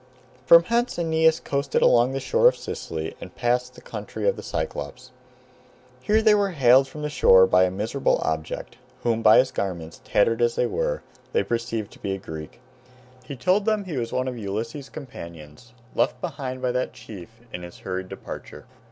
From hence Aeneas coasted along the shore of Sicily and passed the country of the Cyclopes. Here they were hailed from the shore by a miserable object, whom by his garments, tattered as they were, they perceived to be a Greek. He told them he was one of Ulysses's companions, left behind by that chief in his hurried departure.